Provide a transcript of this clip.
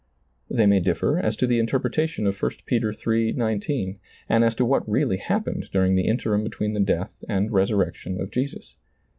They may differ as to the interpretation of i Peter 3 : 19, and as to what really happened during the interim between the death and resurrection of Jesus.